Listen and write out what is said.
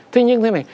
thế nhưng thế này